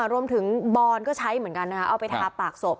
บอนก็ใช้เหมือนกันนะคะเอาไปทาปากศพ